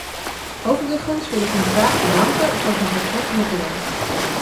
Overigens wil ik hem graag bedanken voor zijn voortreffelijke werk.